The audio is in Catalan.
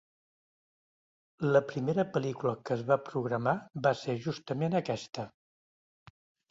La primera pel·lícula que es va programar va ser justament aquesta.